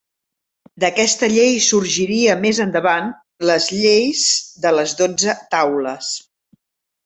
D'aquesta llei sorgiria més endavant les Lleis de les dotze taules.